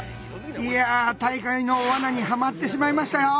いや大会の罠にはまってしまいましたよ！